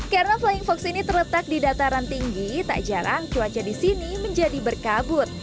karena flying fox ini terletak di dataran tinggi tak jarang cuaca di sini menjadi berkabut